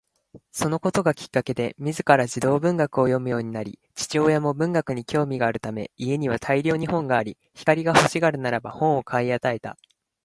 そのことがきっかけで自ら児童文学を読むようになり、父親も文学に興味があるため家には大量に本があり、光が欲しがるならば本を買い与えた